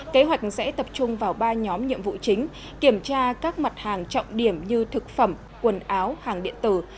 kế hoạch sẽ tập trung vào ba nhóm nhiệm vụ chính kiểm tra các mặt hàng trọng điểm như thực phẩm quần áo hàng điện tử